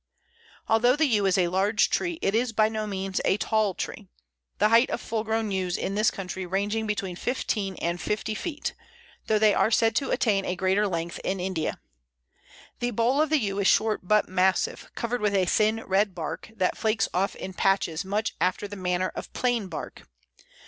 Although the Yew is a large tree, it is by no means a tall tree: the height of full grown Yews in this country ranging between fifteen and fifty feet, though they are said to attain a greater length in India. The bole of the Yew is short but massive, covered with a thin red bark, that flakes off in patches much after the manner of Plane bark.